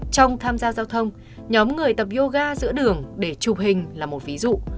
trong tham gia giao thông nhóm người tập yoga giữa đường để chụp hình là một ví dụ